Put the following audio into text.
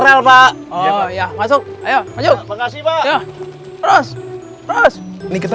angkuri stok air mineral pak